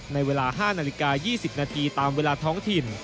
ในเวลา๕นาฬิกา๒๐นาทีตามเวลาท้องถิ่น